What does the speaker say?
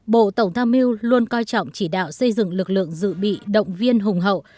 bộ tổng tham mưu luôn coi trọng chỉ đạo xây dựng lực lượng dự bị động viên hùng hậu